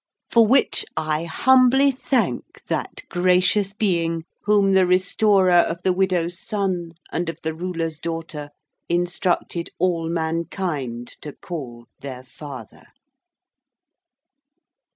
For which I humbly thank that Gracious Being whom the restorer of the Widow's son and of the Ruler's daughter, instructed all mankind to call their Father.